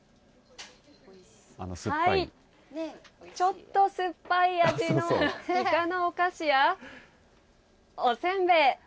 はい、ちょっとすっぱい味のいかのお菓子やおせんべい。